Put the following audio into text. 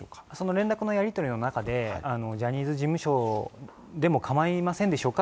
連絡のやり取りの中で、ジャニーズ事務所でも構いませんでしょうか？